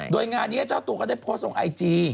โดยงานนี้เจ้าตัวก็ได้โพสต์ลงไอจี